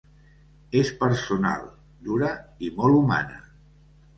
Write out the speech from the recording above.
És personal, dura i molt humana.